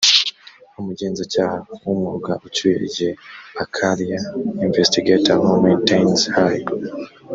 umugenzacyaha w umwuga ucyuye igihe a career investigator who maintains high